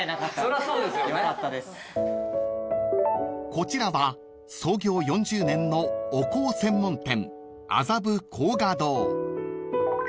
［こちらは創業４０年のお香専門店］